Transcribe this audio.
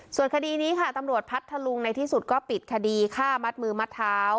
ส่วนคดีนี้ค่ะตำรวจพัทธลุงในที่สุดก็ปิดคดีฆ่ามัดมือมัดเท้า